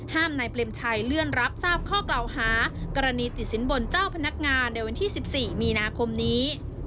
นายเปรมชัยเลื่อนรับทราบข้อกล่าวหากรณีติดสินบนเจ้าพนักงานในวันที่๑๔มีนาคมนี้